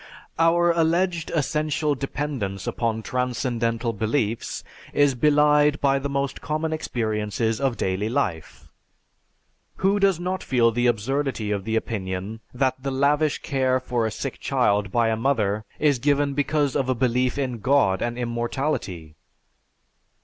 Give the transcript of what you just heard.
"Our alleged essential dependence upon transcendental beliefs is belied by the most common experiences of daily life. Who does not feel the absurdity of the opinion that the lavish care for a sick child by a mother is given because of a belief in God and immortality?